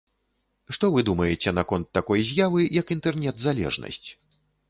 Што вы думаеце наконт такой з'явы, як інтэрнет-залежнасць?